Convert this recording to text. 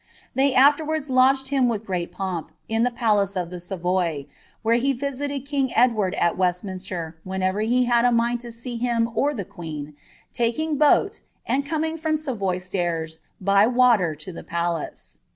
They afterwards lodged him with rent pomp in the palace of the Savoy, where he visited king Edward at remninster, whenever he had a mind to see him or the queen, taking Ml, and coming from Savoy stairs by water to the palace."